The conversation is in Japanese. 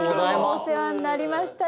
おせわになりました？